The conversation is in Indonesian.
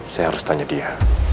saya harus tanya dia